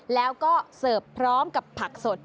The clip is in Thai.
แล้วก็เสิร์ฟพร้อมกับผักสด